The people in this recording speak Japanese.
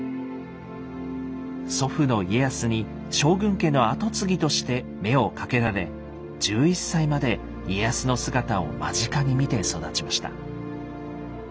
祖父の家康に将軍家の跡継ぎとして目をかけられ１１歳まで家康の姿を間近に見て育ちました。